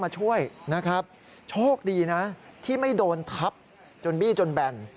โชคดีนะที่ไม่โดนทับจนบี้จนแบน